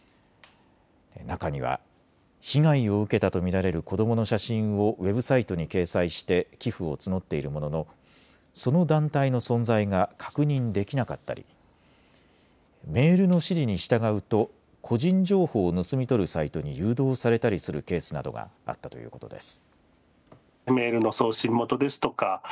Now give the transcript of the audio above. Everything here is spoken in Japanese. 中には被害を受けたと見られる子どもの写真をウェブサイトに掲載して寄付を募っているもののその団体の存在が確認できなかったり、メールの指示に従うと個人情報を盗み取るサイトに誘導されたりするケースなどがあったということです。